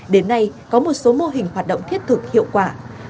đến nay có một số mô hình hoạt động thiết thực hiệu quả